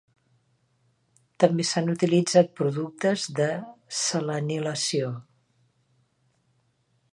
També s'han utilitzat productes de selenilació.